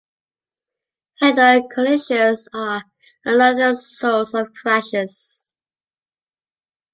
Head-on collisions are another source of crashes.